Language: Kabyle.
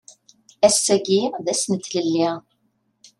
Ass-agi d ass n tlelli.